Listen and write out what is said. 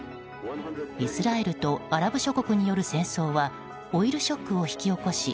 イスラエルとアラブ諸国による戦争はオイルショックを引き起こし